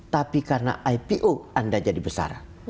tapi karena ipo anda jadi besar